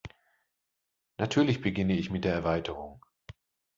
Natürlich beginne ich mit der Erweiterung.